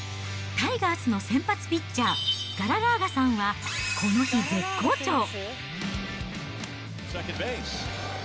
タイガースの先発ピッチャー、ガララーガさんは、この日、絶好調。